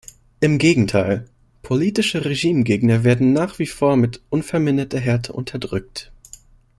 Im Gegenteil, politische Regimegegner werden nach wie vor mit unverminderter Härte unterdrückt.